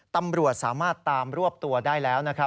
ตำรวจสามารถตามรวบตัวได้แล้วนะครับ